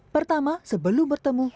pertama sebelum bertemu